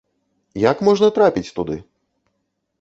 Як можна трапіць туды?